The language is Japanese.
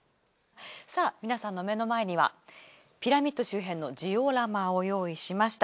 さあ皆さんの目の前にはピラミッド周辺のジオラマを用意しました。